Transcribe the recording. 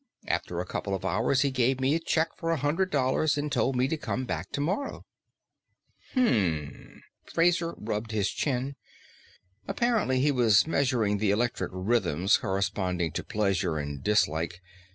After a couple of hours he gave me a check for a hundred dollars and told me to come back tomorrow." "Hm." Fraser rubbed his chin. "Apparently he was measuring the electric rhythms corresponding to pleasure and dislike.